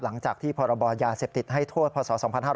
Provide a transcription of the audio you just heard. หลังจากที่พรบยาเสพติดให้โทษพศ๒๕๕๙